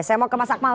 saya mau ke mas akmal